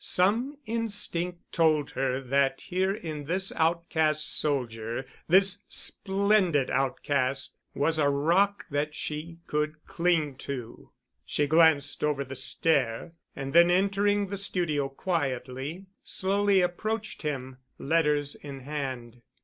Some instinct told her that here in this outcast soldier—this splendid outcast—was a rock that she could cling to.... She glanced over the stair and then entering the studio quietly, slowly approached him, letters in hand.